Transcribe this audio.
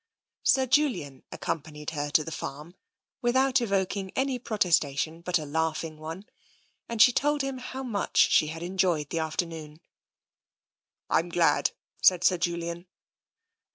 Sir Julian accompanied her to the farm without evoking any protestation but a laughing one, and she told him how much she had enjoyed the afternoon. " I'm glad," said Sir Julian.